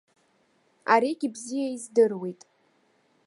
Аригьы бзиа издыруеит.